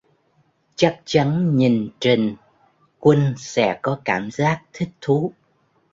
Chắc chắn nhìn trình quân sẽ có cảm giác thích thú